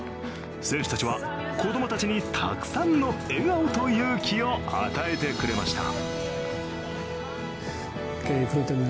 選手たちは子供たちにたくさんの笑顔と勇気を与えてくれました。